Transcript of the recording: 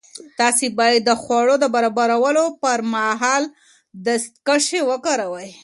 تاسو باید د خوړو د برابرولو پر مهال دستکشې وکاروئ.